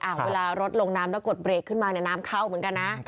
เวลารถลงน้ำแล้วกดเรกขึ้นมาเนี่ยน้ำเข้าเหมือนกันนะ